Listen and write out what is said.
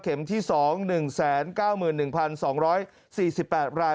เข็มที่๒๑๙๑๒๔๘ราย